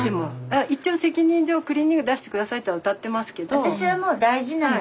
あ一応責任上クリーニング出して下さいとはうたってますけど。